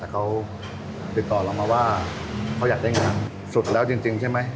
แต่เขาติดต่อเรามาว่าเขาอยากได้งานสุดแล้วจริงใช่ไหม